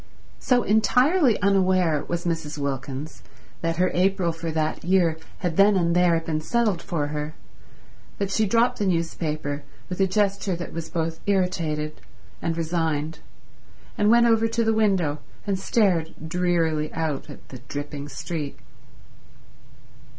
So entirely unaware was Mrs. Wilkins that her April for that year had then and there been settled for her that she dropped the newspaper with a gesture that was both irritated and resigned, and went over to the window and stared drearily out at the dripping street.